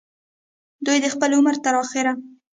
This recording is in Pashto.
دوي د خپل عمر تر اخره